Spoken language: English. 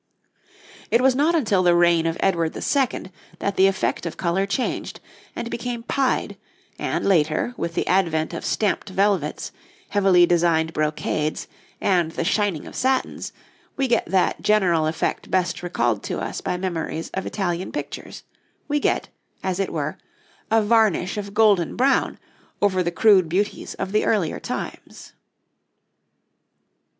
It was not until the reign of Edward II. that the effect of colour changed and became pied, and later, with the advent of stamped velvets, heavily designed brocades, and the shining of satins, we get that general effect best recalled to us by memories of Italian pictures; we get, as it were, a varnish of golden brown over the crude beauties of the earlier times.